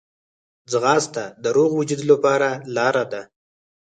ځغاسته د روغ وجود لپاره لاره ده